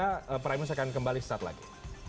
pada saat ini saya akan kembali lagi